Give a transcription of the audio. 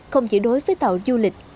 không chỉ đối với tàu du lịch